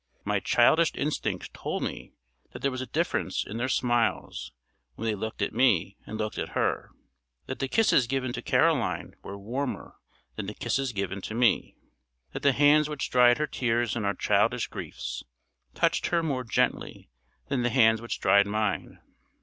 My childish instinct told me that there was a difference in their smiles when they looked at me and looked at her; that the kisses given to Caroline were warmer than the kisses given to me; that the hands which dried her tears in our childish griefs, touched her more gently than the hands which dried mine.